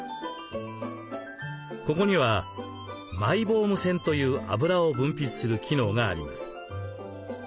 ここにはマイボーム腺という脂を分泌する機能があります。